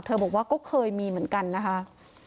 บอกว่าก็เคยมีเหมือนกันนะคะ